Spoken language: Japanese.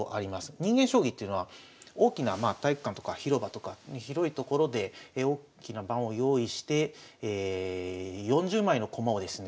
人間将棋っていうのは大きなまあ体育館とか広場とか広い所で大きな盤を用意して４０枚の駒をですね